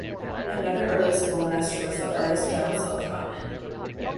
Another early schoolmaster was the artist John Sell Cotman.